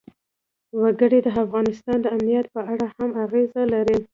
وګړي د افغانستان د امنیت په اړه هم اغېز لري.